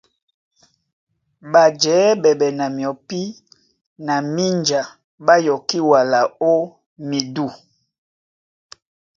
Ɓajɛɛ́ ɓɛɓɛ na myɔpí na mínja ɓá yɔkí wala ó midû.